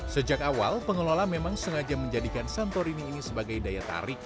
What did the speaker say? sejak awal pengelola memang sengaja menjadikan santorini ini sebagai daya tarik